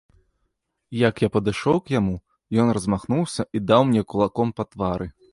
Як я падышоў к яму, ён размахнуўся і даў мне кулаком па твары.